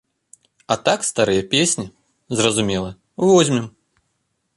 А так старыя песні, зразумела, возьмем.